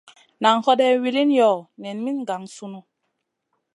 Nan hoday wilin yoh? Nen min gang sunu.